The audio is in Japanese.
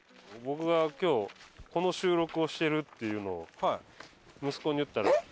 僕が今日この収録をしてるっていうのを息子に言ったら。